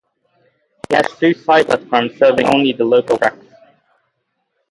It has two side platforms serving only the local tracks.